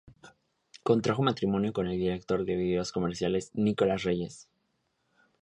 Contrajo matrimonio con el director de videos comerciales Nicolás Reyes.